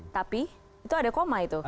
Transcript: tapi itu ada koma itu